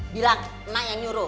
bilang mak yang nyuruh ya